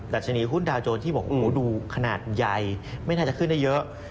ชนีหุ้นดาวโจรที่บอกดูขนาดใหญ่ไม่น่าจะขึ้นได้เยอะ